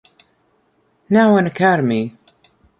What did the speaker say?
Now an Academy.